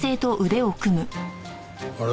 あれ？